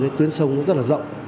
cái tuyến sông rất là rộng